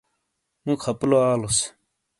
مو خپلو آلوس۔